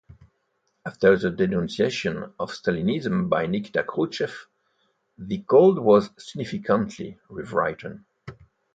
After the denunciation of Stalinism by Nikita Khrushchev the code was significantly rewritten.